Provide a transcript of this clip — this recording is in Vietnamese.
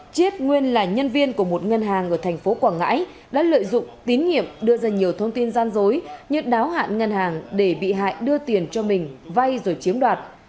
chiết nguyên là nhân viên của một ngân hàng ở thành phố quảng ngãi đã lợi dụng tín nhiệm đưa ra nhiều thông tin gian dối như đáo hạn ngân hàng để bị hại đưa tiền cho mình vay rồi chiếm đoạt